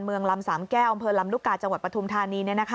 ลำสามแก้วอำเภอลำลูกกาจังหวัดปฐุมธานี